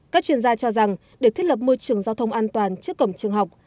các chuyên gia cho rằng để thiết lập môi trường giao thông an toàn trước cổng trường học